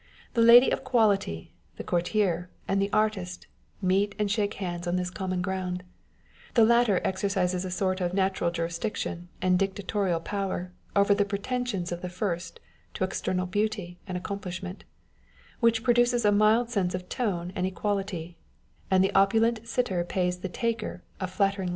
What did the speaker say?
The lady of quality, the courtier, and the artist, meet and shake hands on this common ground ; the latter exercises a sort of natural jurisdiction and dictatorial power over the preten sions of the first to external beauty and accomplishment, which produces a mild sense and tone of equality ; and tke opulent sitter pays the taker of flattering likenesses 1 The great house in Leicester Square, where Messrs.